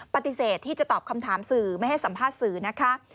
ปฏิเสธที่จะตอบคำถามสื่อไม่ให้สัมภาษณ์สื่อนะคะ